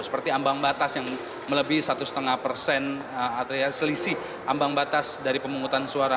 seperti ambang batas yang melebihi satu lima persen atau selisih ambang batas dari pemungutan suara